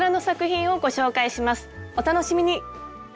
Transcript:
お楽しみに！